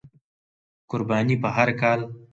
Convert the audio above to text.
قرباني په هر کال،